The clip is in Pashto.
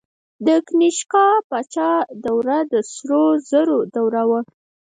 د کنیشکا پاچا دوره د سرو زرو دوره وه